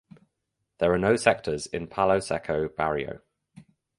There are no sectors in Palo Seco barrio.